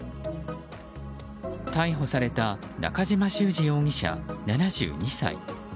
逮捕された中島周治容疑者、７２歳。